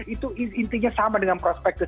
itu intinya sama dengan prospektif